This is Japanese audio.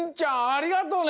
ありがとう！